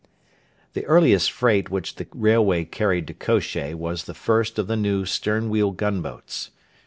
The earliest freight which the railway carried to Kosheh was the first of the new stern wheel gunboats.